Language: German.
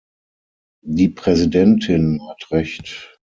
Die Präsidentin hat recht.